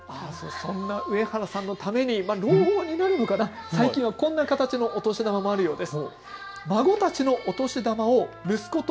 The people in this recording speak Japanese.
そんな上原さんのために最近はこんな形のお年玉もあるようです。